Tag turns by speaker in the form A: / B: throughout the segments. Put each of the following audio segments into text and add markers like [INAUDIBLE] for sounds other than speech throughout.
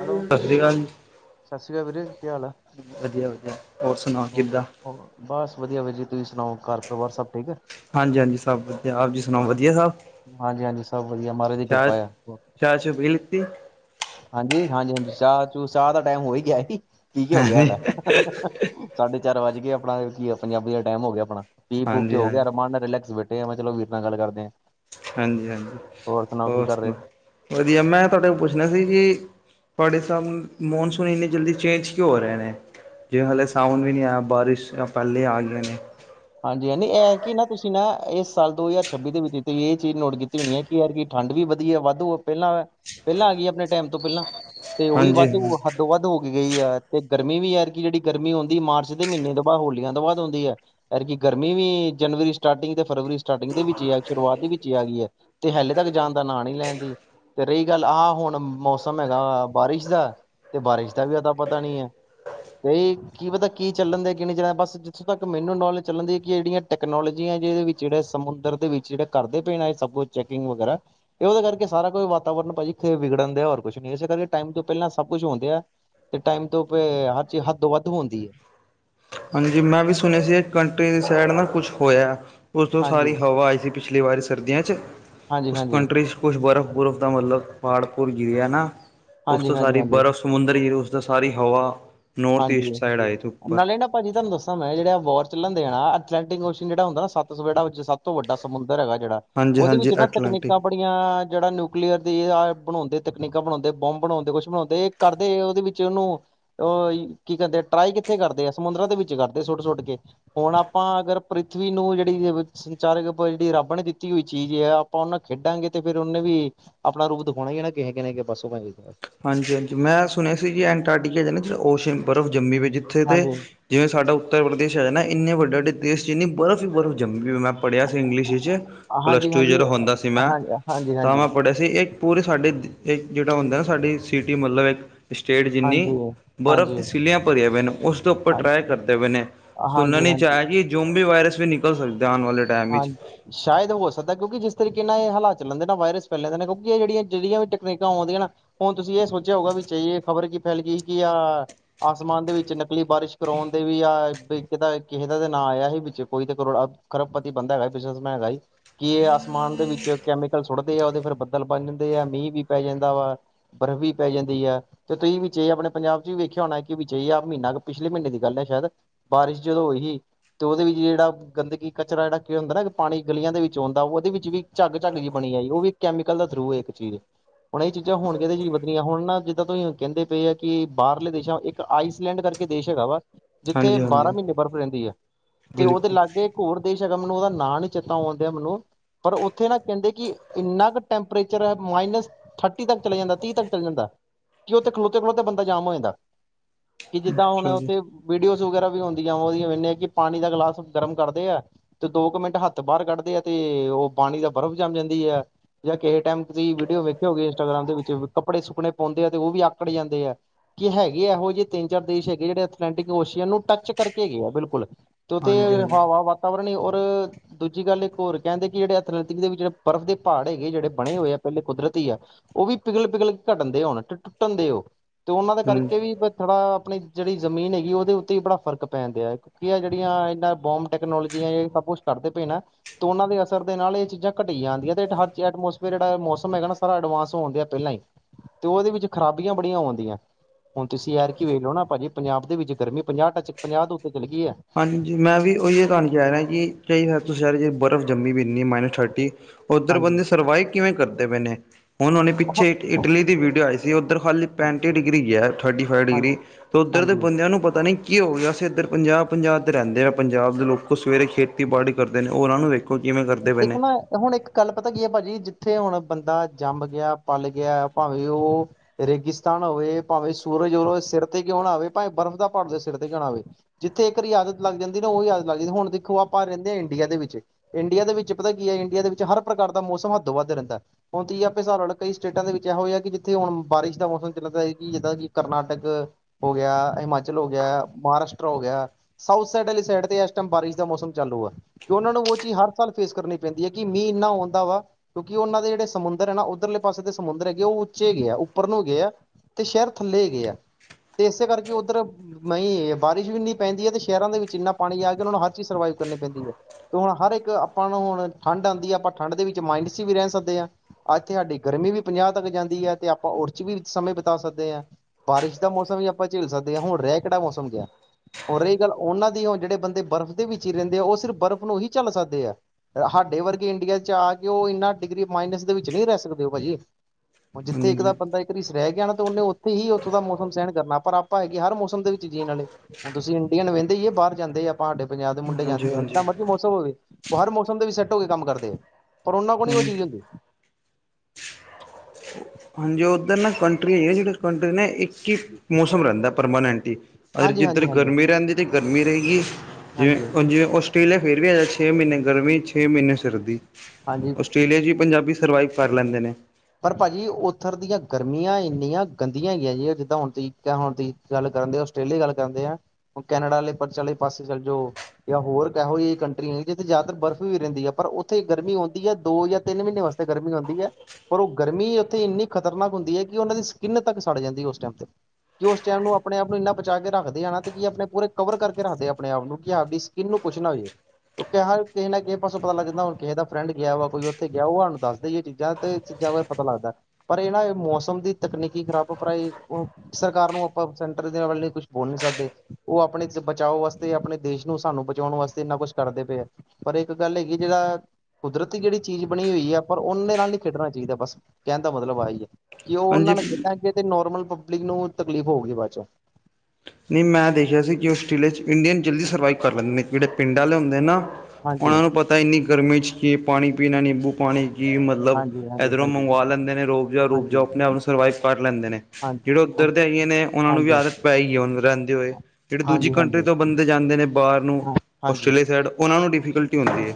A: Hello
B: ਸ੍ਰੀ ਅਕਾਲ ਜੀ
A: ਸਤਿ ਸ਼੍ਰੀ ਅਕਾਲ ਵੀਰੇ ਕੀ ਹਾਲ ਹੈ
B: ਵਧੀਆ- ਵਧੀਆ ਹੋਰ ਸੁਣਾਓ ਕਿੱਦਾਂ
A: ਬਸ ਵਧੀਆ ਵਧੀਆ ਜੀ ਤੁਸੀਂ ਸੁਣਾਓ ਘਰ ਪਰਿਵਾਰ ਸਭ ਠੀਕ ਹੈ।
B: ਹਾਂਜੀ- ਹਾਂਜੀ ਸਭ- ਆਪ ਜੀ ਸੁਣਾਓ ਵਧੀਆ ਸਭ
A: ਹਾਂਜੀ- ਹਾਂਜੀ ਸਭ ਵਧੀਆ ਮਹਾਰਾਜ ਦੀ
B: ਚਾਹ
A: ਕਿਰਪਾ ਆ।
B: ਚਾਹ ਚੂ ਪੀ ਲਿਤੀ-
A: ਹਾਂਜੀ- ਹਾਂਜੀ- ਹਾਂਜੀ ਚਾਹ ਚੂ ਚਾਹ ਦਾ ਟਾਈਮ ਹੋ ਹੀ ਗਿਆ ਸੀ ਠੀਕ ਹੋ ਗਿਆ
B: ਹਾਂਜੀ
A: ਹੋਣਾ ਸਾਢੇ ਚਾਰ ਵੱਜ ਕੇ ਆਪਣਾ ਕੀ ਆ ਪੰਜਾਬੀ ਦਾ ਟਾਈਮ ਹੋ ਗਿਆ ਆਪਣਾ- ਪੀ ਪੂ ਕੇ
B: ਹਾਂਜੀ
A: ਹੋ ਗਿਆ
B: ਹਾਂਜੀ
A: ਰਾਮ ਨਾਲ ਰਿਲੈਕਸ ਬੈਠੇ ਆ ਮੈ ਚਲੋ ਵੀਰ ਨਾਲ ਗੱਲ ਕਰਦੇ ਹਾਂ।
B: ਹਾਂਜੀ- ਹਾਂਜੀ ਹੋਰ
A: ਰਹੇ
B: ਸੁਣਾਓ ਵਧੀਆ ਮੈ ਤੁਹਾਡੇ ਕੋਲ ਪੁੱਛਣਾ ਸੀ ਜੀ- ਤੁਹਾਡੇ ਹਿਸਾਬ ਮੌਨਸਨ ਇਨੇ ਜਲਦੀ ਚੇਜ ਕਿਓ ਹੋ ਰਹੇ ਨੇ- ਜਿਵੇਂ ਹਾਲੇ ਸਾਵਣ ਵੀ ਨਹੀ ਆਇਆ ਬਾਰਿਸ਼ ਪਹਿਲੇ ਆ ਗਈਆਂ ਨੇ-
A: ਹਾਂਜੀ- ਹਾਂਜੀ ਇਹ ਕਿ ਨਾ ਤੁਸੀਂ ਨਾ ਇਸ ਸਾਲ ਦੋ ਹਜ਼ਾਰ ਛੱਬੀ ਦੇ ਵਿਚ ਇਹ ਚੀਜ ਨੋਟ ਕੀਤੀ ਹੋਣੀ ਹੈ। ਕੀ ਯਾਰ ਕਿ ਠੰਡ ਵੀ ਵਧੀਆ ਵਾਧੂ ਪਹਿਲਾਂ- ਪਹਿਲਾਂ ਆ ਗਈ ਆਪਣੇ ਟਾਈਮ ਤੋ ਪਹਿਲਾਂ- ਤੇ ਉਹ ਵੀ
B: ਹਾਂਜੀ
A: ਵੱਧ ਹੱਦੋ ਵੱਧ ਹੋ- ਗਈ ਯਾਰ ਗਰਮੀ ਵੀ ਯਾਰ ਕਿ ਜਿਹੜੀ ਗਰਮੀ ਆਉਦੀ ਮਾਰਚ ਦੇ ਮਹੀਨੇ ਤੋ ਬਾਅਦ ਹੋਲੀਆਂ ਤੋ ਬਾਅਦ ਆਉਦੀ ਹੈ। ਐਤਕੀ ਗਰਮੀ ਵੀ ਜਨਵਰੀ ਸਟਾਰਟਿੰਗ ਤੇ ਫਰਵਰੀ ਸਟਾਰਟਿੰਗ ਦੇ ਵਿਚ ਹੀ ਆ ਸ਼ੁਰੂਆਤ ਦੇ ਵਿਚ ਹੀ ਆ ਗਈ ਐ। ਤੇ ਹਲੇ ਤੱਕ ਜਾਨ ਦਾ ਨਾ ਨੀ ਲੈਦੀ- ਤੇ ਰਹੀ ਗੱਲ ਆਹ ਹੁਣ ਮੌਸਮ ਹੈਗਾ ਬਾਰਿਸ਼ ਦਾ- ਤੇ ਬਾਰਿਸ਼ ਦਾ ਵੀ ਅਤਾ ਪਤਾ ਨੀ ਹੈ। ਗਈ ਕੀ ਪਤਾ ਕੀ ਚੱਲਣ ਦੇ ਕਿ ਚੱਲ ਬਸ ਜਿੱਥੋਂ ਤੱਕ ਮੈਨੂੰ ਨੌਲੇਜ- ਚੱਲਣ ਦੀ ਕਿ ਜਿਹੜੀਆਂ ਟੈਕਨੋਲੋਜੀਆਂ ਵਿਚ ਜਿਹੜਾ ਸਮੁੰਦਰ ਦੇ ਵਿਚ ਜਿਹੜੇ ਕਰਦੇ ਪਏ ਸਭ ਕੁਛ ਚੈਕਿੰਗ ਵਗੈਰਾ- ਇਹ ਉਹਦੇ ਕਰਕੇ ਸਾਰਾ ਕੋਈ ਵਾਤਾਵਰਨ ਭਾਜੀ ਵਿਗੜਨ ਦਾ ਹੋਰ ਕੁਛ ਨੀ ਇਸ ਕਰਕੇ ਟਾਈਮ ਤੋ ਪਹਿਲਾ ਸਭ ਕੁਛ ਹੁਣ ਦੀਆ ਤੇ ਟਾਈਮ ਤੋਂ ਫਿਰ ਹਰ ਚੀਜ ਹੱਦ ਤੋ ਵਧ ਹੁੰਦੀ ਹੈ।
B: ਹਾਂਜੀ ਜੀ ਮੈ ਵੀ ਸੁਣਿਆ ਸੀ ਇਹ ਕੰਟਰੀ ਦੀ ਸਾਈਡ ਨਾ ਕੁਛ ਹੋਇਆ ਉਸ ਤੋ
A: ਹਾਂਜੀ
B: ਸਾਰੀ ਹਵਾ ਆਈ ਸੀ। ਪਿਛਲੀ ਵਾਰੀ ਸਰਦੀਆਂ 'ਚ
A: ਹਾਂਜੀ
B: ਉਸ
A: ਹਾਂਜੀ
B: ਕੰਟਰੀ 'ਚ- ਕੁਛ ਬਰਫ਼ ਬੁਰਫ਼ ਦਾ ਮਤਲਬ ਪਾੜ ਪੁੜ ਗਿਰਿਆ ਨਾ ਉਸ
A: ਹਾਂਜੀ
B: ਤੋਂ
A: ਹਾਂਜੀ
B: ਸਾਰੀ
A: ਹਾਂਜੀ
B: ਬਰਫ਼- ਸਮੁੰਦਰੀ [UNINTELLIGIBLE] ਸਾਰੀ ਹਵਾ ਨੌਰਥ ਈਸਟ
A: ਹਾਂਜੀ
B: ਸਾਈਡ ਆਏ ਤੇ ਉਪਰ-
A: ਨਾਲੇ ਨਾ ਭਾਜੀ ਤੁਹਾਨੂੰ ਦੱਸ ਮੈ ਜਿਹੜਾ ਵਰ ਚੱਲਣਦਾ ਆ ਅਟਲਟਕਓਸ਼ਨ ਜਿਹੜਾ ਹੁੰਦਾ ਸਬ ਸਮੂਦਰ ਵੜਾ ਵਿਚ ਸਭ ਤੋ ਵਡਾ ਸਮੁੰਦਰ ਹੈਗਾ ਜਿਹੜਾ
B: ਹਾਂਜੀ
A: ਉਹਦੇ
B: ਹਾਂਜੀ
A: ਵਿੱਚ ਨਾ
B: ਐਟਲਾਂਟਿਕ
A: ਤਕਨੀਕਾਂ ਬਟ- ਆਪੀਆਂ ਜਿਹੜਾ ਨਿਊਕਲੀਅਰ ਦੀ ਆ ਬਣਾਉਦੇ ਤਕਨੀਕਾਂ ਬਣਾਉਦੇ ਬੰਬ ਬਣਾਉਦੇ ਕੁਛ ਬਣਾਉਦੇ- ਕਰਦੇ ਉਹਦੇ ਵਿਚ ਉਹਨੂੰ ਅ- ਕੀ ਕਰਦੇ ਟਰਾਈ ਕਿਥੇ ਕਰਦੇ ਆ ਸਮੁੰਦਰਾਂ ਦੇ ਵਿਚ ਕਰਦੇ ਸੁੱਟ- ਸੁੱਟ ਕੇ- ਹੁਣ ਆਪਾ ਅਗਰ ਪ੍ਰਿਥਵੀ ਨੂੰ ਜਿਹੜੀ- ਚਾਰਕ ਜਿਹੜੀ ਰੱਬ ਨੇ ਦਿਤੀ ਹੋਈ ਚੀਜ ਹੈ। ਆਪਾ ਉਹਨਾ ਖੇਡਾਂਗੇ ਤੇ ਫਿਰ ਉਹਨੇ ਵੀ- ਆਪਣਾ ਰੂਪ ਦਿਖਾਉਣਾ ਹੀ ਹੈ। ਕਹਿ ਕਹਿ ਕੇ ਬਸੋ ਭਾਜੀ
B: ਹਾਂਜੀ- ਹਾਂਜੀ ਮੈ ਸੁਣਿਆ ਸੀ ਜੀ ਐਂਟਾਰਟੀਕ ਜਾਂ ਨਾ ਓ ਸੈਂਪਰ ਜੰਮੀ ਵੀ ਜਿਥੇ ਦੇ
A: ਹਾਂਜੀ
B: - ਜਿਵੇਂ ਸਾਡੇ ਉੱਤੇ [UNINTELLIGIBLE] ਇੰਨੇ ਵਡੇ ਵਡੇ ਦੇਸ਼ ਇੰਨੀ ਬਰਫ਼ ਬਰਫ ਜਮੀ ਹੋਈ ਮੈਂ - ਪੜਿਆ ਸੀ ਇੰਗਲਿਸ਼ ਵਿਚ ਪਲੱਸ
A: ਹਾਂਜੀ
B: ਟੂ
A: ਹਾਂਜੀ
B: ਜਦੋਂ ਹੁੰਦਾ ਸੀ ਮੈ
A: ਹਾਂਜੀ ਹਾਂਜੀ
B: ਤਾਂ
A: ਹਾਂਜੀ
B: ਮੈ ਪੜਿਆ ਸੀ ਇੱਕ - ਪੂਰੇ ਸਾਡੇ ਇਕ ਜਿਹੜਾ ਹੁੰਦਾ ਨਾ ਸਾਡੀ ਸਿਟੀ ਮਤਲਬ ਇੱਕ - ਸਟੇਟ ਜਿਨੀ
A: ਹਾਂਜੀ,
B: ਬਰਫ਼
A: ਹਾਂਜੀ,
B: ਦੀ ਸਿਲੀਆਂ ਭਰੀਆਂ ਪੇਇਆ ਨੇ ਉਸਦੇ ਉਪਰ
A: ਹਾਂਜੀ,
B: ਟਰਾਈ ਕਰਦੇ ਪਏ ਨੇ- ਸੁਣਨਾ
A: ਹਾਂਜੀ,
B: ਨਹੀ
A: ਹਾਂਜੀ।
B: ਚਾਹੇ ਕਿ ਜੋਮਬੀ ਵਾਇਰਸ ਵੀ ਨਿਕਲ ਸਕਦੇ ਆਉਣ ਵਾਲੇ- ਟਾਈਮ
A: ਹਾਂ।
B: ਵਿੱਚ
A: ਸ਼ਾਇਦ ਹੋ ਸਕਦਾ ਕਿਉਂਕਿ ਜਿਸ ਤਰੀਕੇ ਨਾਲ ਇਹ ਹਾਲਾਤ 'ਚ ਲੈਦੇ ਨਾ ਵਾਇਰਸ ਫੈਲੈਦੇ ਨੇ ਕਿਉਂਕਿ ਇਹ ਜਿਹੜੀਆਂ- ਜਿਹੜੀਆਂ ਵੀ ਤਕਨੀਕਾਂ ਆਉਦੀਆਂ ਨਾ- ਹੁਣ ਤੁਸੀ ਇਹ ਸੋਚਿਆ ਹੋਊਗਾ ਵੀ ਚੈਈਐ ਖਬਰ ਕੀ ਫੈਲ ਗਈ ਕਿ ਆਹ ਆਸਮਾਨ ਦੇ ਵਿਚਲ ਨਕਲੀ ਬਾਰਿਸ਼ ਕਰਾਉਣ ਦੇ ਵੀ ਆ ਬੀ ਇਕ ਦਾ ਕਿਸੇ ਦਾ ਤੇ ਨਾਂ ਆਇਆ ਸੀ ਬਿਚ ਕੋਈ ਤੇ ਕਰੋੜਾ ਆ ਖਰਬ ਪਤ ਇਕ ਬੰਦਾ ਹੈਗਾ ਬਿਜਨਸ ਮੈਨ ਹੈਗਾ ਈ। ਕੀ ਆਸਮਾਨ ਦੇ ਵਿਚ ਕੈਮੀਕਲ ਸੁੱਟਦੇ ਆ ਉਹਦੇ ਫਿਰ ਬੱਦਲ ਬਣ ਜਾਦੇ ਆ ਮੀਂਹ ਵੀ ਪੈ ਜਾਦਾ ਵਾ- ਬਰਫ਼ ਵੀ ਪੈ ਜਾਦੀ ਆ। ਤੇ ਤੁਸੀਂ ਵਿਚੇ ਆਪਣੇ ਪੰਜਾਬ ਚ ਵੀ ਵੇਖਿਆ ਹੋਣਾ ਕਿ ਵਿਚੇ ਆਹ ਮਹੀਨਾ ਪਿਛਲੇ ਮਹੀਨੇ ਦੀ ਗੱਲ ਐ ਸ਼ਾਇਦ। ਬਾਰਿਸ਼ ਜਦੋਂ ਹੋਏ ਗੀ ਤੇ ਉਹਦੇ ਵਿੱਚ ਜਿਹੜਾ ਗੰਦਗੀ ਕ ਇਸ ਤਰਾ ਕਿ ਹੁੰਦਾ ਨਾ ਪਾਣੀ ਗਲੀਆਂ ਦੇ ਵਿੱਚ ਆਉਦਾ ਉਹਦੇ ਵਿੱਚ ਵੀ ਝੱਗ -ਝੱਗ ਜੀ ਬਣੀ ਆਈ। ਉਹ ਵੀ ਕੈਮੀਕਲ ਦਾ ਥਰੂ ਐ ਇੱਕ ਚੀਜ਼। ਹੁਣ ਇਹ ਚੀਜ਼ਾਂ ਹੋਣਗੀਆਂ ਜੀ ਵਧੀਆ ਹੁਣ ਨਾ ਜਿੱਦਾਂ ਤੁਸੀਂ ਕਹਿੰਦੇ ਪਏ ਆ ਕਿ ਬਾਹਰਲੇ ਦੇਸ਼ਾਂ ਆਈਸਲੈਂਡ ਕਰਕੇ ਦੇਸ਼ ਹੈਗਾ ਵਾ ਜਿੱਥੇ ਬਾਰਾਂ
B: ਹਾਂਜੀ-ਹਾਂਜੀ
A: ਮਹੀਨੇ ਬਰਫ਼ ਰਹਿੰਦੀ ਐ, ਤੇ ਉਹਦੇ
B: ਬਿਲਕੁਲ
A: ਲਾਗੇ ਇੱਕ ਹੋਰ ਇਕ ਸੈਕਿੰਡ ਮੈਨੂੰ ਉਹਦਾ ਨਾਂ ਨੀ ਚੇਤਾ ਆਉਂਦਿਆ ਮੈਨੂੰ ਪਰ ਉੱਥੇ ਨਾ ਕਹਿੰਦੇ ਕੀ ਇੰਨਾ ਕੁ ਟੈਂਪਰੇਚਰ ਮਾਈਨਸ ਥਰਟੀ ਤੱਕ ਚਲੇ ਜਾਂਦਾ ਤੀਹ ਤੱਕ ਚਲੇ ਜਾਂਦਾ, ਕਿ ਓੱਥੇ ਖਲੋਤੇ-ਖਲੋਤੇ ਬੰਦਾ ਜਾਮ ਹੋ ਜਾਂਦਾ। ਕਿ ਜਿੱਦਾਂ ਹੁਣ
B: ਅੱਛਾ ਜੀ
A: ਉੱਥੇ ਵੀਡੀਓਜ਼ ਵਗੈਰਾ ਵੀ ਹੁੰਦੀ ਆ ਉਹੀ ਓ ਹੁੰਦੀ ਆ ਕਿ ਪਾਣੀ ਦਾ ਗਿਲਾਸ ਗਰਮ ਕਰਦੇ ਐ। ਤੇ ਦੋ ਕੁ ਮਿੰਟ ਹੱਥ ਬਾਹਰ ਕੱਢਦੇ ਆ ਤੇ ਉਹ ਪਾਣੀ ਦਾ ਬਰਫ਼ ਜਮ ਜਾਂਦੀ ਐ। ਜਾਂ ਕਿਸੇ ਟਾਈਮ ਤੁਸੀਂ ਵੀਡੀਓ ਵੇਖਿਓਗੇ ਇੰਸਟਾਗ੍ਰਾਮ ਦੇ ਵਿੱਚ ਕੱਪੜੇ ਸੁੱਕਨਣੇ ਪਾਉਂਦੇ ਆ ਤੇ ਉਹ ਵੀ ਆਕੜ ਜਾਂਦੇ ਐ। ਕਿ ਹੈਗੇ ਇਹੋ ਜਿਹੇ ਤਿੰਨ-ਚਾਰ ਦੇਸ਼ ਹੈਗੇ ਜਿਹੜੇ ਅਥਲੈਂਟਿਕ ਓਸ਼ੀਅਨ ਨੂੰ ਟੱਚ ਕਰਕੇ ਗਏ ਆ ਬਿਲਕੁਲ। ਤੇ ਉਥੇ
B: ਹਾਂਜੀ-ਹਾਂਜੀ
A: ਹਵਾ ਵਾਤਾਵਰਨ ਈ ਔਰ ਦੂਜੀ ਗੱਲ ਇੱਕ ਹੋਰ ਕਹਿੰਦੇ ਕਿ ਜਿਹੜੇ ਅਥਰੈਟਿਕ ਦੇ ਵਿੱਚ ਜਿਹੜੇ ਬਰਫ਼ ਦੇ ਪਹਾੜ ਹੈਗੇ ਜਿਹੜੇ ਬਣੇ ਹੋਏ ਆ ਪਹਿਲੇ ਕੁਦਰਤੀ ਆ। ਉਹ ਵੀ ਪਿਘਲ -ਪਿਘਲ ਘਟਣਦੇ ਹੁਣ ਟੁੱਟਣ ਦੇ ਉਹ, ਤੇ ਉਹਨਾਂ ਦਾ ਕਰਕੇ ਵੀ ਥੋੜਾ ਆਪਣੀ ਜਿਹੜੀ ਜ਼ਮੀਨ ਹੈਗੀ ਉਹਦੇ ਉੱਤੇ ਹੀ ਬੜਾ ਫ਼ਰਕ ਪੈਂਦੇ ਆ ਕਿਉਂਕਿ ਆ ਜਿਹੜੀਆਂ ਇਨਾ ਬੋਬ ਟੈਕ ਟੈਕਨੋਲੋਜੀ ਨਾਲ ਏ ਸਭ ਕੁਛ ਕਰਦੇ ਪਏ ਨਾ। ਤੇ ਉਹਨਾਂ ਦੇ ਅਸਰ ਦੇ ਨਾਲ ਇਹ ਚੀਜ਼ਾਂ ਘਟੀ ਜਾਂਦੀਆਂ ਤੇ ਆਹ ਐਟਮੋਸਫੇਅਰ ਜਿਹੜਾ ਮੌਸਮ ਹੈਗਾ ਨਾ ਸਾਰਾ ਐਡਵਾਂਸ ਹੋਣਦੇ ਆ ਪਹਿਲਾਂ ਈ। ਤੇ ਉਹਦੇ ਵਿੱਚ ਖ਼ਰਾਬੀਆਂ ਬੜੀਆਂ ਆਉਂਦੀਆ ਐ। ਹੁਣ ਤੁਸੀਂ ਐਦ ਕੀ ਵੇਖ ਲਓ ਨਾ ਭਾਜੀ ਪੰਜਾਬ ਦੇ ਵਿੱਚ ਗਰਮੀ ਪੰਜਾਹ ਟੱਚ ਪੰਜਾਹ ਦੇ ਉੱਤੇ ਚਲੀ ਗਈ ਐ।
B: ਹਾਂਜੀ ਮੈਂ ਵੀ ਉਹੀ ਤੁਹਾਣੂ ਕਹਿ ਰਿਹਾ ਕਿ ਕਈ ਵਾਰ ਸ਼ਹਿਰ ' ਬਰਫ਼ ਜੰਮੀ ਵੀ ਇੰਨੀ ਮਾਈਨਸ ਥਰਟੀ, ਉੱਧਰ
A: ਹਾਂਜੀ
B: ਬੰਦੇ ਸਰਵਾਇਵ ਕਿਵੇਂ ਕਰਦੇ ਪਏ ਨੇ? ਹੁਣ-ਹੁਣੇ ਪਿੱਛੇ ਇਟਲੀ ਦੀ ਵੀਡੀਓ ਆਈ ਸੀ ਉੱਧਰ ਖਾਲੀ ਪੈਂਤੀ ਡਿਗਰੀ ਗਿਆ-ਥਰਟੀ ਫਾਈਵ
A: ਹਾਂਜੀ
B: ਡਿਗਰੀ ਤੇ ਉੱਧਰ ਦੇ
A: ਹਾਂਜੀ
B: ਬੰਦਿਆਂ ਨੂੰ ਪਤਾ ਨੀ ਕੀ ਹੋ ਗਿਆ ਅਸੀਂ ਇੱਧਰ ਪੰਜਾ-ਪੰਜਾ ਰਹਿੰਦੇ ਆ ਪੰਜਾਬ ਦੇ ਲੋਕ ਸਵੇਰੇ ਖੇਤੀਬਾੜੀ ਕਰਦੇ ਨੇ ਉਹਨਾਂ ਨੂੰ ਵੇਖ ਓ ਕਿਵੇਂ ਕਰਦੇ ਪਏ
A: ਇੱਕ
B: ਨੇ।
A: ਨਾ ਹੁਣ ਇੱਕ ਗੱਲ ਪਤਾ ਕੀ ਆ ਭਾਜੀ ਜਿੱਥੇ ਹੁਣ ਬੰਦਾ ਜੰਮ ਗਿਆ, ਪਲ ਗਿਆ ਭਾਵੇਂ ਉਹ ਰੇਗਿਸਤਾਨ ਹੋਵੇ ਭਾਵੇਂ ਸੂਰਜ ਸਿਰ ਤੇ ਕਿਉਂ ਨਾ ਆਵੇ ਭਾਵੇਂ ਬਰਫ਼ ਦਾ ਪਾੜ ਜਾ ਸਿਰ ਤੇ ਕਿਉਂ ਨਾ ਹੋਵੇ। ਜਿੱਥੇ ਇੱਕ ਦੀ ਆਦਤ ਲੱਗ ਜਾਂਦੀ ਨਾ ਉਹੀ ਆਦਤ ਲੱਗ ਜਾਂਦੀ ਹੁਣ ਦੇਖੋ ਆਪਾਂ ਰਹਿੰਦੇ ਹਾਂ ਇੰਡੀਆ ਦੇ ਵਿੱਚ ਇੰਡੀਆ ਦੇ ਵਿੱਚ ਪਤਾ ਕੀ ਏ ਇੰਡੀਆ ਦੇ ਵਿੱਚ ਹਰ ਪ੍ਰਕਾਰ ਦਾ ਮੌਸਮ ਹੱਦੋ ਵੱਧ ਰਹਿੰਦਾ ਐ। ਹੁਣ ਤੁਸੀਂ ਆਪੇ ਹਿਸਾਬ ਲਾਲੋ ਕਈ ਸਟੇਟਾਂ ਦੇ ਵਿੱਚ ਇਹੋ ਜਿਹੀਆਂ ਕਿ ਜਿੱਥੇ ਹੁਣ ਬਾਰਿਸ਼ ਦਾ ਮੌਸਮ ਚੱਲ ਪਿਆ ਜੀ, ਕੀ ਜਿੱਦਾਂ ਕੀ ਕਰਨਾਟਕ ਹੋ ਗਿਆ, ਹਿਮਾਚਲ ਹੋ ਗਿਆ, ਮਹਾਰਾਸ਼ਟਰ ਹੋ ਗਿਆ। ਸਾਊਥ ਸਾਈਡ ਵਾਲੀ ਸਾਈਡ ਤੇ ਇਸ ਟਾਈਮ ਬਾਰਿਸ਼ ਦਾ ਮੌਸਮ ਚਾਲੂ ਆ। ਕਿ ਉਹਨਾਂ ਨੂੰ ਕੁਛ ਕਿ ਹਰ ਸਾਲ ਫੇਸ ਕਰਨੀ ਪੈਂਦੀ ਏ, ਕੀ ਮੀਂਹ ਇੰਨਾ ਆਉਂਦਾ ਵਾ ਕਿਉਂਕਿ ਉਹਨਾਂ ਦੇ ਜਿਹੜੇ ਸਮੁੰਦਰ ਐ ਨਾ ਉੱਧਰਲੇ ਪਾਸੇ ਦੇ ਸਮੁੰਦਰ ਹੈਗੇ ਆ ਉਹ ਉੱਚੇ ਹੈਗੇ ਆ ਉੱਪਰ ਨੂੰ ਗਏ ਆ। ਤੇ ਸ਼ਹਿਰ ਥੱਲੇ ਹੈਗੇ ਆ, ਤੇ ਇਸੇ ਕਰਕੇ ਉੱਧਰ ਨਈ ਬਾਰਿਸ਼ ਵੀ ਇਨੀ ਪੈਂਦੀ ਹੈ ਤੇ ਸ਼ਹਿਰਾਂ ਦੇ ਵਿੱਚ ਇੰਨਾ ਪਾਣੀ ਆ ਕੇ ਉਹਨਾਂ ਨੂੰ ਹਰ ਚੀਜ਼ ਸਰਵਾਈਵ ਕਰਨੀ ਪੈਂਦੀ ਐ। ਤੇ ਹੁਣ ਹਰ ਇੱਕ ਆਪਾਂ ਨੂੰ ਹੁਣ ਠੰਢ ਆਉਂਦੀ ਆ ਆਪਾਂ ਠੰਢ ਦੇ ਵਿੱਚ ਮਾਈਨਸ ਵੀ ਰਹਿ ਸਕਦੇ ਆ। ਐੱਥੇ ਹਾਡੀ ਗਰਮੀ ਵੀ ਪੰਜਾਹ ਤੱਕ ਜਾਂਦੀ ਏ ਤੇ ਆਪਾਂ ਉੜ ਚ ਵੀ ਸਮੇਂ ਬਿਤਾ ਸਕਦੇ ਆ। ਬਾਰਿਸ਼ ਦਾ ਮੌਸਮ ਵੀ ਆਪਾਂ ਝੇਲ ਸਕਦੇ ਆ, ਹੁਣ ਰਹਿ ਕੇੜ੍ਹਾ ਮੌਸਮ ਗਿਆ। ਔਰ ਰਹੀ ਗੱਲ ਉਹਨਾਂ ਦੀ, ਹੁਨ ਜੇੜੇ ਬੰਦੇ ਬਰਫ਼ ਦੇ ਵਿੱਚ ਹੀ ਰਹਿੰਦੇ ਆ, ਉਹ ਸਿਰਫ ਬਰਫ਼ ਨੂੰ ਹੀ ਚੱਲ ਸਕ ਹਾਡੇ ਵਰਗੇ ਇੰਡੀਆ ਚ ਆ ਕੇ, ਓ ਇਨਾ ਡਿਗਰੀ ਮਾਈਨਸ ਦੇ ਵਿੱਚ ਨਹੀਂ ਰਹਿ ਸਕਦੇ ਉਹ ਭਾਜੀ। ਹੁਣ ਜਿੱਥੇ ਇੱਕ ਤਾਂ
B: ਹਾਂਜੀ
A: ਬੰਦਾ ਇੱਕ ਰੀਸ ਰਹਿ ਗਿਆ ਨਾ ਤੇ ਉਹਨੇ ਉੱਥੇ ਹੀ ਉੱਥੋਂ ਦਾ ਮੌਸਮ ਸਹਿਣ ਕਰਨਾ ਪਰ ਆਪ ਆਪਾਂ ਹੈਗੇ ਹਰ ਮੌਸਮ ਦੇ ਵਿੱਚ ਜੀਨ ਆਲੇ, ਹੁਣ ਤੁਸੀਂ ਇੰਡੀਅਨ ਵੇਂਨਦੇ ਹੀ ਏ ਬਾਹਰ ਜਾਂਦੇ ਆ। ਤੁਹਾਡੇ ਪੰਜਾਬ ਦੇ ਮੁੰਡੇ
B: ਹਾਂਜੀ
A: ਜਾਂਦੇ ਆ,
B: ਹਾਂਜੀ
A: ਜਿੱਦਾਂ ਮਰਜ਼ੀ ਮੌਸਮ ਹੋਵੇ। ਉਹ ਹਰ ਮੌਸਮ ਦੇ ਵਿੱਚ ਸੈੱਟ ਹੋ ਕੇ ਕੰਮ ਕਰਦੇ ਏ, ਪਰ ਉਹਨਾਂ ਕੋਲ ਉਹ
B: ਹਾਂਜੀ
A: ਚੀਜ਼ ਹੁੰਦੀ।
B: ਹਾਂਜੀ, ਉੱਧਰ ਨਾ ਕੰਟਰੀ ਏ, ਜਿਹੜੀ ਕੰਟਰੀ ਨੇ ਇੱਕ ਹੀ ਮੌਸਮ ਰਹਿੰਦਾ ਪਰਮਾਨੈਂਟਲੀ।
A: ਹਾਂਜੀ-ਹਾਂਜੀ,
B: ਜਿੱਧਰ
A: ਹਾਂਜੀ,
B: ਗਰਮੀ ਰਹਿੰਦੀ ਤੇ ਗਰਮੀ ਰਹੇਗੀ, ਜਿਵੇਂ
A: ਹਾਂਜੀ, ਹਾਂਜੀ
B: -ਜਿਵੇਂ ਉਸ ਆਸਟ੍ਰੇਲੀਆ ਫੇਰ ਵੀ ਹੈਗਾ, ਛੇ ਮੀਨੇ ਗਰਮੀ, ਛੇ ਮੀਨੇ ਸਰਦੀ।
A: ਹਾਂਜੀ
B: ਆਸਟ੍ਰੇਲੀਆ ਚ ਵੀ ਪੰਜਾਬੀ ਸਰਵਾਈਵ ਕਰ ਲੈਂਦੇ ਨੇ।
A: ਪਰ ਭਾਜੀ ਓਥਰ ਦੀਆਂ ਗਰਮੀਆਂ ਇੰਨੀਆਂ ਗੰਦੀਆਂ ਹੈਗੀਆਂ ਜੇ, ਜਿੱਦਾਂ ਹੁਣ ਤੁਹੀ, ਕਿਹਾ ਤੁਹੀ। ਗੱਲ ਕਰਦੇ ਆ, ਆਸਟ੍ਰੇਲੀਆ ਗੱਲ ਕਰਦੇ ਆ, ਹੁਣ ਕੈਨੇਡਾ ਆਲੇ ਚੱਲੇ ਪਾਸੇ ਚੱਲ ਜੌ ਜਾਂ ਹੋਰ ਕਿਹੋ ਜੀ ਕੰਟਰੀਆਂ ਜਿੱਥੇ ਜਾਦਾਤਰ ਬਰਫ਼ ਵੀ ਰੈਂਦੀ ਆ, ਪਰ ਉਥੇ ਗਰਮੀ ਔਂਦੀ ਆ ਦੋ ਜਾਂ ਤਿੰਨ ਮੀਨੇ ਵਾਸ ਤੇ ਗਰਮੀ ਔਂਦੀ ਆ। ਪਰ ਓ ਗਰਮੀ ਉੱਥੇ ਇੰਨੀ ਖਤਰਨਾਕ ਹੁੰਦੀ ਆ ਕਿ ਓਨਾਂ ਦੀ ਸਕਿੰਨ ਤੱਕ ਸੜ ਜਾਂਦੀ ਓਸ ਟੈਮ ਤੇ। ਕੀ ਓਸ ਟੈਮ ਨੂੰ ਆਪਣੇ ਆਪ ਨੂੰ ਇੰਨਾ ਬਚਾ ਕੇ ਰੱਖਦੇ ਆ ਨਾ ਤੇ ਕੀ ਆਪਣੇ ਪੂਰੇ ਕਵਰ ਕਰਕੇ ਰੱਖਦੇ ਆਪਣੇ ਆਪ ਨੂੰ ਕੀ ਆਪਦੀ ਸਕਿਨ ਨੂੰ ਕੁੱਛ ਨਾ ਹੋਜੇ। ਓ ਕੈਹਾ, ਕਿਹੇ ਨਾ ਕਿਹੇ ਪਾਸੋਂ ਪਤਾ ਲੱਗ ਜਾਂਦਾ ਹੁਣ ਕਿਸੇ ਦਾ ਫਰੈਂਡ ਗਿਆ ਵਾ ਕੋਈ ਉੱਥੇ ਗਿਆ ਓਨੂੰ ਦੱਸ ਦਾ ਈ ਏ ਚੀਜ਼ਾਂ ਤੇ ਚੀਜ਼ਾਂ ਪਤਾ ਬਾਰੇ ਲੱਗਦਾ, ਪਰ ਏਹ ਨਾ ਮੌਸਮ ਦੀ ਤਕਨੀਕੀ ਖ਼ਰਾਬ ਓਪਰਾ ਏ ਸਰਕਾਰ ਨੂੰ ਆਪਾਂ ਸੈਂਟਰ ਦੇ ਵੱਲੇ ਕੁੱਛ ਬੋਲ ਨੀ ਸਕਦੇ। ਓ ਆਪਣੇ ਬਚਾਓ ਵਾਸਤੇ, ਆਪਣੇ ਦੇਸ਼ ਨੂੰ ਸਾਨੂੰ ਬਚਾਣ ਵਾਸਤੇ, ਏਨਾ ਕੁਛ ਕਰਦੇ ਪਏ ਐ। ਪਰ ਇੱਕ ਗੱਲ ਹੈਗੀ ਜੇੜਾ, ਕੁਦਰਤੀ ਜੇੜੀ ਚੀਜ਼ ਬਣੀ ਹੋਈ ਐ ਪਰ ਓਨੇ ਨਾਲ ਈ ਖੇਡਣਾ ਚਾਈਦਾ ਬਸ। ਕੈਣ ਦਾ ਮਤਲਬ ਆਈ ਆ ਕੀ ਓ ਨੇ
B: ਹਾਂਜੀ
A: ਖੇਤਾਂ 'ਚ ਤੇ ਨੋਰਮਲ ਪਬਲਿਕ ਨੂੰ ਤਕਲੀਫ਼ ਹੋਊਗੀ ਬਾਦ 'ਚ।
B: ਨਈ ਮੈਂ ਦੇਖਿਆ ਸੀ ਕੀ ਆਸਟ੍ਰੇਲੀਆ ਚ ਇੰਡੀਅਨ ਜਲਦੀ ਸਰਵਾਈਵ ਕਰ ਲੈਂਦੇ ਨੇ, ਜੇੜੇ ਪਿੰਡ ਆਲੇ ਹੁੰਦੇ ਨਾ
A: ਹਾਂਜੀ,
B: ਉਨਾਂ ਨੂੰ ਪਤਾ ਇੰਨੀ ਗਰਮੀ ਚ ਕੀ ਪਾਣੀ ਪੀਣਾ, ਨਿੰਬੂ ਪਾਣੀ। ਕੀ ਮਤਲਬ
A: ਹਾਂਜੀ, ਹਾਂਜੀ, ਹਾਂਜੀ,
B: ਇਧਰੋਂ
A: ਹਾਂਜੀ,
B: ਮੰਗਵਾ ਲੈਂਦੇ ਨੇ, ਰੋਬਜਾ
A: ਹਾਂਜੀ,
B: ਰੂਬਜਾ ਆਪਣੇ ਆਪ ਨੂੰ ਸਰਵਾਈਵ ਕਰ ਲੈਂਦੇ ਨੇ।
A: ਹਾਂਜੀ।
B: ਜੇੜ੍ਹੇ
A: ਹਾਂਜੀ,
B: ਉੱਧਰ ਦੇ ਹੈਗੇ ਨੇ, ਓਨਾ ਨੂੰ ਵੀ
A: ਹਾਂਜੀ,
B: ਆਦਤ ਪੈਗੀ ਹੁਣ ਦੇ ਹੋਏ,
A: ਹਾਂ
B: ਜੇੜੇ ਦੂਜੀ ਕੰਟਰੀ ਤੋਂ ਬੰਦੇ ਜਾਂਦੇ ਨੇ ਬਾਰ ਨੂੰ
A: ਹਾਂਜੀ,
B: ਆਸਟ੍ਰੇਲੀਆ ਸੈਡ ਉਨਾਂ ਨੂੰ ਡਿਫੀਕਲਟੀ ਹੁੰਦੀ ਐ।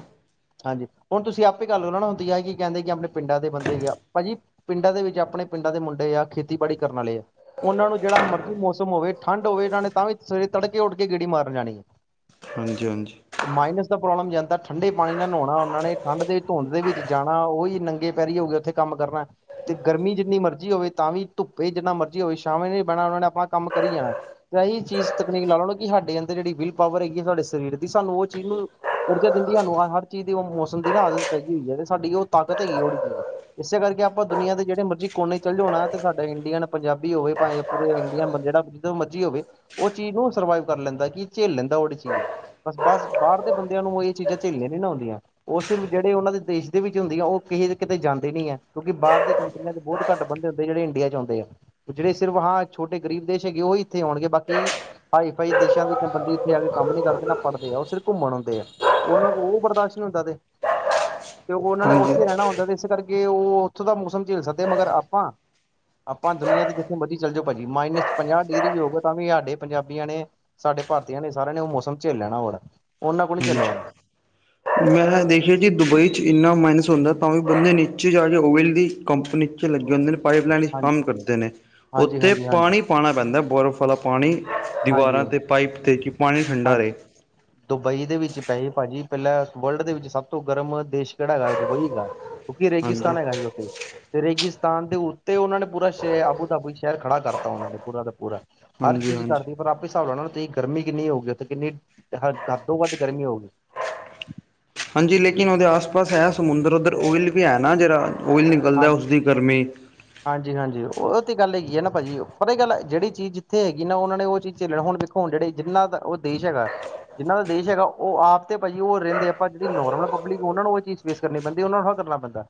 A: ਹਾਂਜੀ, ਹੁਣ ਤੁਸੀਂ ਆਪੇ ਗੱਲ ਓਨਾ ਨਾ ਹੁੰਦੀ ਆ ਕੀ ਕੈਂਦੇ ਕੀ ਆਪਣੇ ਪਿੰਡਾਂ ਦੇ ਬੰਦੇ ਹੈਗੇ ਆ। ਭਾਜੀ ਪਿੰਡਾਂ ਦੇ ਵਿੱਚ, ਆਪਣੇ ਪਿੰਡਾਂ ਦੇ ਮੁੰਡੇ ਆ, ਖੇਤੀਬਾੜੀ ਕਰਨ ਆਲੇ। ਉਨਾਂ ਨੂੰ ਜੇੜਾ ਮਰਜ਼ੀ ਮੌਸਮ ਹੋਵੇ, ਠੰਡ ਹੋਵੇ, ਏਨਾਂ ਨੇ ਤਾਂ ਵੀ ਸਵੇਰੇ ਤੜਕੇ ਉੱਠ ਕੇ ਗੇੜੀ ਮਾਰਨ ਜਾਣੀ।
B: ਹਾਂਜੀ, ਹਾਂਜੀ।
A: ਮਾਈਨਸ ਦਾ ਪ੍ਰੋਬਲਮ ਜਾਂਦਾ ਠੰਡੇ ਪਾਣੀ ਨਾ ਨੋਨਾ ਉਨਾਂ ਨੇ, ਠੰਡ ਦੇ ਧੁੰਦ ਦੇ ਵਿੱਚ ਜਾਣਾ, ਓਈ ਨੰਗੇ ਪੈਰੀ ਹੋ ਗਏ ਉੱਥੇ ਕੰਮ ਕਰਨੈ। ਤੇ ਗਰਮੀ ਜਿੰਨੀ ਮਰਜ਼ੀ ਹੋਵੇ ਤਾਂ ਵੀ ਧੁੱਪੇ ਜਿੰਨਾ ਮਰਜ਼ੀ ਹੋਵੇ, ਸ਼ਾਮੇ ਨੀ ਬੈਣਾ ਉਨਾਂ ਨੇ, ਆਪਣਾ ਕੰਮ ਕਰੀ ਜਾਣਾ। ਤੇ ਇਹੀ ਚੀਸ ਤਕਨੀਕ ਲਾ ਲਓ ਕਿ ਸਾਡੇ ਅੰਦਰ ਜੇੜੀ ਵਿਲ ਪਾਵਰ ਹੈਗੀ ਐ ਸਾਡੇ ਸਰੀਰ ਸਾਨੂੰ ਓ ਚੀਜ਼ ਨੂੰ, ਊਰਜਾ ਦਿੰਦੀ ਹਾਨੂੰ ਆ ਚੀਜ ਦੀ ਓ ਮੌਸਮ ਦੀ ਨਾ ਆਦਤ ਪੈਗੀ ਹੋਈ ਆ ਤੇ ਸਾਡੀ ਓ ਤਾਕਤ ਹੈਗੀ ਉੜੀ ਚੀਜ਼। ਇਸੇ ਕਰਕੇ ਆਪਾਂ ਦੁਨੀਆਂ ਦੇ ਜੇੜ੍ਹੇ ਮਰਜ਼ੀ ਕੋਨੇ ਚੱਲ ਜੋ ਨਾ ਤੇ ਸਾਡਾ ਇੰਡੀਅਨ ਪੰਜਾਬੀ ਹੋਵੇ ਭਾਏ ਪੂਰੇ ਇੰਡੀਅਨ ਬੰ ਜੇੜਾ ਜਦੋਂ ਮਰਜ਼ੀ ਹੋਵੇ, ਓ ਚੀਜ਼ ਨੂੰ ਸਰਵਾਈਵ ਕਰ ਲੈਂਦਾ, ਕੀ ਝਿਲ ਲੈਂਦਾ ਓ ਚੀਜ਼। ਬਸ, ਬਸ ਬਾਰ ਦੇ ਬੰਦਿਆਂ ਨੂੰ ਏ ਚੀਜ਼ਾਂ ਝੇਲੀਆਂ ਨੀ ਨਾ ਔਦੀਆਂ। ਓ ਸਿਰਫ ਜੇੜੇ ਉਨਾਂ ਦੇ ਦੇਸ਼ ਦੇ ਵਿੱਚ ਹੁੰਦੀ ਆ ਓ ਕਿਤੇ ਜਾਂਦੇ ਨੀ ਐ ਕਿਉਂਕੀ ਬਾਰ ਦੇ ਕਟੰਰੀਯਾ ਦੇ ਬੋਤ ਘਟ ਬੰਦੇ ਹੁੰਦੇ ਜੇੜੇ ਇੰਡੀਆ ਚ ਔਂਦੇ ਆ। ਜੇੜ੍ਹੇ ਸਿਰਫ ਹਾਂ ਛੋਟੇ ਗਰੀਬ ਦੇਸ਼ ਹੈਗੇ ਓ ਈ ਇੱਥੇ ਓਣਗੇ ਬਾਕੀ ਹਾਈ ਫਾਈ ਦੇਸ਼ਾਂ ਦੀ ਇੱਕ ਬੰਦੇ ਇੱਥੇ ਆ ਕੇ ਕੰਮ ਨੀ ਕਰਦੇ ਨਾ ਪੜ੍ਹਦੇ ਆ ਓ ਸਿਰਫ ਘੁੰਮਣ ਔਂਦੇ ਆ ਉਨਾਂ ਓ ਬਰਦਾਸ਼ਤ ਨੀ ਹੁੰਦਾ ਤੇ ਤੇ ਓਨਾਂ ਨੇ
B: ਹਾਂਜੀ
A: ਉੱਥੇ ਰੈਣਾ ਹੁੰਦਾ ਤੇ ਇਸ ਕਰਕੇ ਓ ਉੱਥੋ ਦਾ ਮੌਸਮ ਝੈਲ ਸਕਦੇ ਮਗਰ ਆਪਾਂ ਆਪਾਂ ਦੁਨੀਆਂ ਦੇ ਜਿੱਥੇ ਮਰਜ਼ੀ ਚੱਲੇ ਜਾਓ ਪਾਅਜੀ ਮਾਈਨਸ ਪੰਜਾਹ ਡਿਗਰੀ ਵੀ ਹੋਵੇ ਤਾਂ ਵੀ ਹਾਡੇ ਪੰਜਾਬੀਆਂ ਨੇ ਸਾਡੇ ਭਾਰਤੀਆਂ ਨੇ ਸਾਰਿਆਂ ਨੇ ਓ ਮੌਸਮ ਝੈਲ ਲੈਣਾ ਓ ਵਾਲਾ ਓਨਾਂ ਕੋਲ ਨੀ ਝਲਾਆ
B: ਹਾਂਜੀ
A: ਜਾਣਾ
B: ਮੈਂ ਦੇਖਿਆ ਜੀ ਦੁਬਈ ਚ ਇੰਨਾ ਮਾਈਨਸ ਹੁੰਦਾ ਤਾਂ ਵੀ ਬੰਦੇ ਨੀਚੇ ਜਾ ਕੇ ਓਵਲ ਦੀ ਕੰਪਨੀ ਲੱਗੇ ਹੁੰਦੇ ਨੇ ਪਾਈਪ ਲਾਈਨ ਵਿੱਚ
A: ਹਾਂ
B: ਕੰਮ ਕਰਦੇ ਨੇ
A: ਹਾਂਜੀ
B: ਉੱਥੇ
A: ਹਾਂਜੀ ਹਾਂਜੀ
B: ਪਾਣੀ ਪਾਣਾ ਪੈਂਦਾ ਬਰਫ਼ ਆਲਾ ਪਾਨੀ
A: ਹਾਂਜੀ
B: ਦੀਵਾਰਾਂ ਤੇ ਪਾਈਪ ਤੇ ਕੀ ਪਾਨੀ ਠੰਡਾ
A: ਹਾਂ
B: ਰਏ
A: ਦੁਬਈ ਦੇ ਵਿੱਚ ਪੈਹੇ ਭਾਜੀ ਪੈਲਾਂ ਵਰਲਡ ਦੇ ਵਿੱਚ ਸਭ ਤੋਂ ਗਰਮ ਦੇਸ਼ ਕੇੜਾ ਹੈਗਾ ਦੁਬਈ ਏਗਾ ਕਿਉਕੀ
B: ਹਾਂਜੀ
A: ਰੇਗਿਸਤਾਨ ਹੈਗਾ ਜੀ ਓਥੇ ਤੇ ਰੇਗਿਸਤਾਨ ਦੇ ਉੱਤੇ ਉਨਾਂ ਨੇ ਪੂਰਾ ਸ਼ੇ ਆਬੂ ਦਾਬੂ ਸ਼ੈਰ ਖੜਾ ਕਰਤਾ ਉਨਾਂ ਨੇ ਪੂਰਾ ਦਾ ਪੂਰਾ ਹਰ
B: ਹਾਂਜੀ
A: ਚੀਜ਼
B: ਹਾਂਜੀ
A: ਕਰਦੀ ਪਰ ਆਪੇ ਸਾਬ ਲਾ ਲੋ ਨਹੀਂ ਤੁਸੀਂ ਗਰਮੀ ਕਿੰਨੀ ਹੋ ਗਈ ਉਥੇ ਕਿੰਨੀ ਹੱਦ ਤੋ ਵੱਧ ਗਰਮੀ ਹੋ ਗਈ
B: ਹਾਂਜੀ ਲੇਕਿਨ ਉਹਦੇ ਆਸ ਪਾਸ ਹੈ ਸਮੁੰਦਰ ਉਧਰ ਓਇਲ ਵੀ ਹੈ ਨਾ ਜਿਹੜਾ ਓਇਲ ਨਿਕਲਦਾ ਉਸਦੀ ਗਰਮੀ
A: ਹਾਂਜੀ ਹਾਂਜੀ ਉਹ ਤੇ ਗੱਲ ਹੈਗੀ ਨਾ ਪਾਜੀ ਪਤਾ ਕੀ ਗੱਲ ਏ ਜਿਹੜੀ ਚੀਜ਼ ਜਿੱਥੇ ਹੈਗੀ ਨਾ ਉਹਨਾਂ ਨੇ ਉਹ ਚੀਜ਼ ਚੱਲਣ ਹੁਣ ਹੁਣ ਜਿਹੜੇ ਜਿੰਨਾ ਦਾ ਉਹ ਦੇਸ਼ ਹੈਗਾ ਜਿਹਨਾਂ ਦਾ ਦੇਸ਼ ਹੈਗਾ ਉਹ ਆਪ ਤੇ ਭਾਜੀ ਉਹ ਰਹਿੰਦੇ ਆਪਾਂ ਜਿਹੜੀ ਨੋਰਮਲ ਪਬਲਿਕ ਉਹਨਾਂ ਨੂੰ ਉਹ ਚੀਜ਼ ਫੇਸ ਕਰਨੀ ਪੈਂਦੀ ਉਹਨਾਂ ਨੂੰ ਕਰਨਾ ਪੈਂਦਾ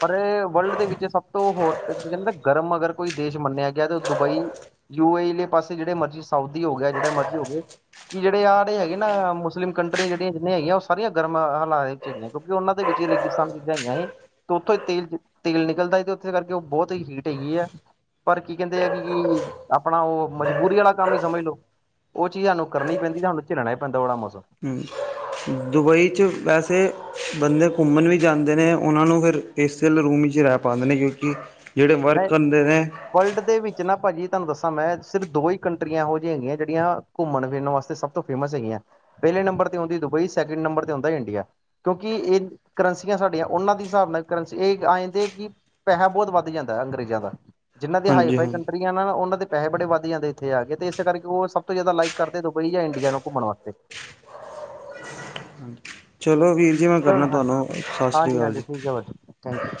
A: ਪਰ ਏ ਵਰਲਡ ਦੇ ਵਿੱਚ ਸਭ ਤੋਂ ਹੋਰ ਕਹਿੰਦੇ ਗਰਮ ਅਗਰ ਕੋਈ ਦੇਸ਼ ਮੰਨਿਆ ਗਿਆ ਤਾਂ ਦੁਬਈ ਯੂ ਏ ਇ ਨੇ ਪਾਸੇ ਜਿਹੜੇ ਮਰਜ਼ੀ ਸਾਊਦੀ ਹੋ ਗਏ ਜਿਹੜੇ ਮਰਜ਼ੀ ਹੋ ਗਏ ਕਿ ਜਿਹੜੇ ਆਹ ਹੈਗੇ ਨਾ ਮੁਸਲਿਮ ਕੰਟਰੀ ਜਿਹੜੀਆਂ ਜਿੰਨੀਆਂ ਹੈਗੀਆਂ ਉਹ ਸਾਰੀਆਂ ਗਰਮ ਹਲਾ ਕਿਉਂਕਿ ਉਹਨਾਂ ਦੇ ਵਿੱਚ ਰੇਗਿਸਤਾਨ ਚੀਜ਼ਾਂ ਹੈਗੀਆਂ ਨੇ ਤੇ ਉੱਥੋਂ ਹੀ ਤੇਲ- ਤੇਲ ਨਿਕਲਦਾ ਹੈ ਤੇ ਉੱਥੇ ਕਰਕੇ ਤੇ ਉਹ ਬਹੁਤ ਹੀ ਹੀਟ ਹੈਗੀ ਐ ਪਰ ਕੀ ਕਹਿੰਦੇ ਆ ਕਿ ਕੀ ਆਪਣਾ ਉਹ ਮਜਬੂਰੀ ਆਲਾ ਕੰਮ ਹੀ ਸਮਝ ਲੋ ਉਹ ਚੀਜ਼ ਹਾਨੂੰ ਕਰਨੀ ਪੈਂਦੀ ਸਾਨੂੰ ਝਲਣਾ ਪੈੰਦਾ ਉਹ ਆੜਾ ਮੌਸਮ
B: ਹੰ ਦੁਬਈ 'ਚ ਵੈਸੇ ਬੰਦੇ ਘੁੰਮਣ ਵੀ ਜਾਂਦੇ ਨੇ ਉਹਨਾਂ ਨੂੰ ਫਿਰ ਏ ਸੀ ਆਲੇ ਰੂਮ ਵਿੱਚ ਰਹਿ ਪਾਂਦੇ ਨੇ ਕਿਉਂਕਿ ਜਿਹੜੇ ਵਰਕ
A: ਨਹੀਂ
B: ਕਨਦੇ ਨੇ
A: ਵਰਲਡ ਦੇ ਵਿੱਚ ਨਾ ਪਾਜੀ ਤੁਹਾਨੂੰ ਦੱਸਾਂ ਮੈਂ ਸਿਰਫ ਦੋ ਹੀ ਕੰਟਰੀਆਂ ਇਹੋ ਜਿਹੀ ਹੈਗੀਆਂ ਜਿਹੜੀਆਂ ਘੁੰਮਣ ਫਿਰਨ ਵਾਸਤੇ ਸਭ ਤੋਂ ਫੇਮਸ ਹੈਗੀਆਂ ਪਹਿਲੇ ਨੰਬਰ ਤੇ ਆਉਂਦੀ ਦੁਬਈ ਸਕਿੰਡ ਨੰਬਰ ਤੇ ਆਉਦਾ ਇੰਡੀਆ ਕਿਉਂਕਿ ਇਹ ਕਰੰਸੀਆਂ ਸਾਡੀਆਂ ਉਹਨਾਂ ਦੇ ਸਾਬ ਨਾਲ ਕਰੰਸੀ ਇਹ ਆਏਂ ਦੇ ਕੀ ਪੈਹਾ ਬਹੁਤ ਵੱਧ ਜਾਂਦਾ ਅੰਗਰੇਜ਼ਾਂ ਦਾ ਜਿਹਨਾਂ ਦੀ
B: ਹਾਂਜੀ
A: ਹਾਈਫਾਈ
B: ਹਾਂ
A: ਕੰਟਰੀ ਉਹਨਾਂ ਪੈੇਹੇ ਬੜੇ ਵੱਧ ਜਾਂਦੇ ਇੱਥੇ ਆ ਕੇ ਤੇ ਇਸੇ ਕਰਕੇ ਉਹ ਸਭ ਤੋਂ ਜ਼ਿਆਦਾ ਲਾਈਕ ਕਰਦੇ ਦੁਬਈ ਜਾਂ ਇੰਡੀਆ ਨੂੰ ਘੁੰਮਣ ਵਾਸਤੇ
B: ਚਲੋ ਵੀਰ ਜੀ ਮੈਂ ਕਰਨਾ
A: ਚਲੋ ਹਾਂਜੀ
B: ਤੁਹਾਨੂੰ ਸਤਿ ਸ੍ਰੀ
A: ਹਾਂਜੀ
B: ਅਕਾਲ
A: ਹਾਂਜੀ
B: ਜੀ
A: ਠੀਕ ਹੈ ਭਾਜੀ ਥੈਂਕ ਯੂ